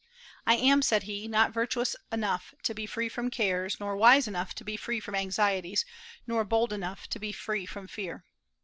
"I am," said he, "not virtuous enough to be free from cares, nor wise enough to be free from anxieties, nor bold enough to be free from fear."